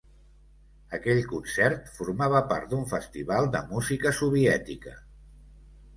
Aquell concert formava part d’un festival de música soviètica.